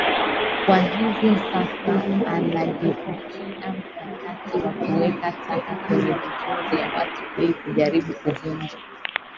Kwa hivyo sasa anageukia mkakati wa kuweka taka kwenye vituo vya watu ili kujaribu kuvunja